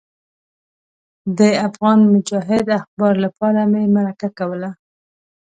د افغان مجاهد اخبار لپاره مې مرکه کوله.